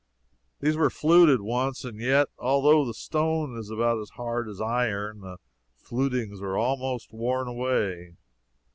These were fluted, once, and yet, although the stone is about as hard as iron, the flutings are almost worn away.